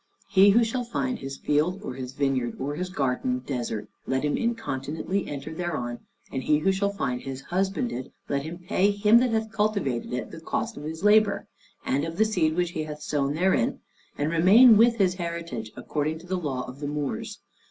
He who shall find his field, or his vineyard, or his garden, desert, let him incontinently enter thereon; and he who shall find his husbanded, let him pay him that hath cultivated it the cost of his labor, and of the seed which he hath sown therein, and remain with his heritage, according to the law of the Moors.